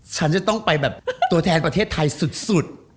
ฉันจะต้องไปแบบตัวแทนประเทศไทยสุด